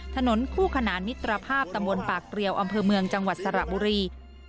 ถนนคู่ขนานมิตรภาพตำบลปากเกรียวอำเภอเมืองจังหวัดสระบุรี